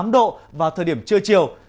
hai mươi tám độ vào thời điểm trưa chiều